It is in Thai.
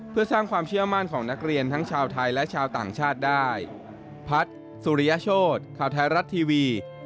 เพื่อสร้างความเชื่อมั่นของนักเรียนทั้งชาวไทยและชาวต่างชาติได้